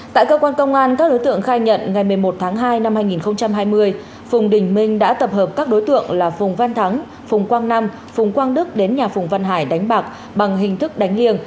tại cơ quan công an các đối tượng khai nhận ngày một mươi một tháng hai năm hai nghìn hai mươi phùng đình minh đã tập hợp các đối tượng là phùng văn thắng phùng quang nam phùng quang đức đến nhà phùng văn hải đánh bạc bằng hình thức đánh liêng